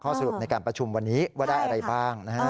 สรุปในการประชุมวันนี้ว่าได้อะไรบ้างนะฮะ